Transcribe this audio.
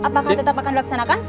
apakah tetap akan dilaksanakan